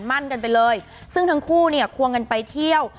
มั่นกันไปเลยซึ่งทั้งคู่เนี่ยควงกันไปเที่ยว